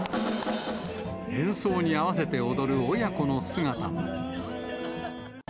演奏に合わせて踊る親子の姿も。